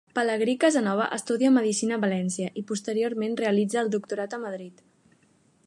Pelegrí Casanova estudia medicina a València, i posteriorment realitza el doctorat a Madrid.